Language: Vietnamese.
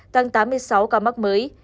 tăng tám mươi sáu ca mắc mới